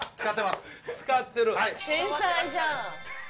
使ってる。